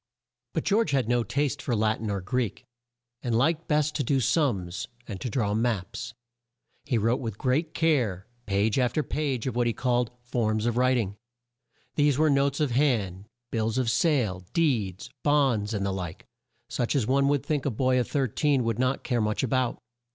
But George had no taste for Lat in or Greek, and liked best to do sums, and to draw maps. He wrote with great care, page after page of what he called "Forms of Wri ting." These were notes of hand, bills of sale, deeds, bonds, and the like, such as one would think a boy of 13 would not care much a bout.